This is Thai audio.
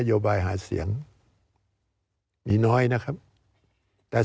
สวัสดีครับทุกคน